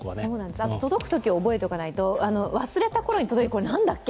あと届く時を覚えておかないと忘れたころに届く、なんだっけ